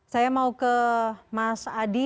saya mau ke mas adi